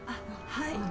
はい。